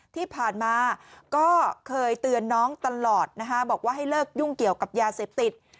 ที่ผ่านมาก็เคยเตือนน้องตลอดนะคะบอกว่าให้เลิกยุ่งเกี่ยวกับยาเสพติด